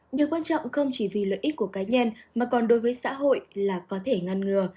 điều quan trọng không chỉ vì lợi ích của cá nhân mà còn đối với xã hội là có thể ngăn ngừa